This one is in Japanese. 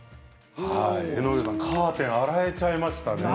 カーテン洗えちゃいましたね。